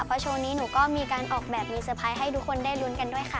เพราะโชว์นี้หนูก็มีออกแบบมีโสดคืนให้ทุกคนได้รุ้นกันด้วย